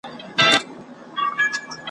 سوځلی مي باروتو د تنکۍ حوري اوربل دی ,